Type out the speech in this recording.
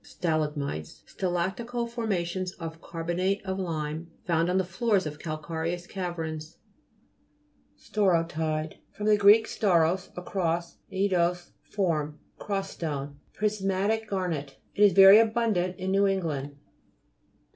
STALA'GMITES Stalactical forma tions of carbonate of lime, found on the floors of calcareous caverns. STAU'HOTIDE fr. gr. stauros, a cross, eidos, form. Cross stone. Pris GLOSSARY. GEOLOGY. 233 matic garnet. It is very abundant in New England.